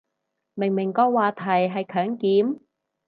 明明個話題係強檢